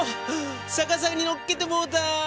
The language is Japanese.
逆さにのっけてもうた！